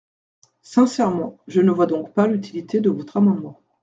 Sincèrement, je ne vois donc pas l’utilité de votre amendement.